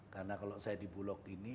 karena kalau saya di bulog ini